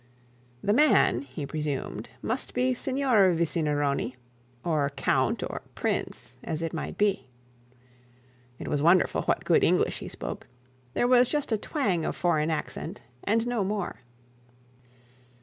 The man, he presumed, must be Signor Vicinironi or count, or prince, as it might be. It was wonderful what good English he spoke. There was just a twang of foreign accent, and no more.